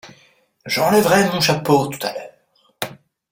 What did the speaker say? J’enlèverai mon chapeau tout à l’heure.